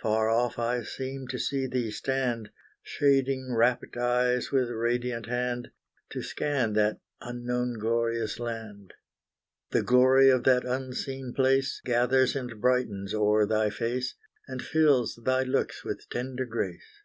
Far off I seem to see thee stand, Shading rapt eyes with radiant hand, To scan that unknown glorious land. The glory of that unseen place, Gathers and brightens o'er thy face, And fills thy looks with tender grace.